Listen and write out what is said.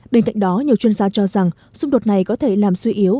bên cạnh đó nhiều chuyên gia cho rằng xung đột này có thể làm suy yếu